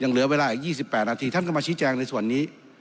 เหลือเวลาอีก๒๘นาทีท่านก็มาชี้แจงในส่วนนี้